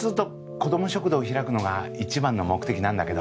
子ども食堂開くのが一番の目的なんだけど